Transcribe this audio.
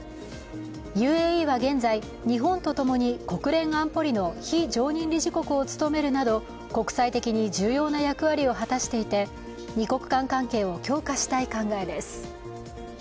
ＵＡＥは現在、日本とともに国連安保理の非常任理事国を務めるなど国際的に重要な役割を果たしていて、２国間関係を強化したい考えです。